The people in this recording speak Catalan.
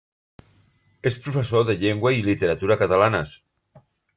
És professor de llengua i literatura catalanes.